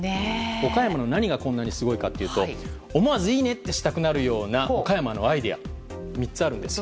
岡山の何がこんなにすごいのかというと思わず、いいね！ってしたくなるような岡山のアイデア３つあるんですよ。